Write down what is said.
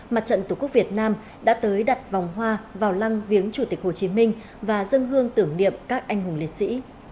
mặt trận tổ quốc việt nam đã tới đặt vòng hoa vào lăng viếng chủ tịch hồ chí minh và dân hương tưởng niệm các anh hùng liệt sĩ